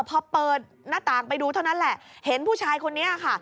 พอเปิดหน้าต่างไปดูเท่านั้นแหละเห็นผู้ชายคนนี้ค่ะ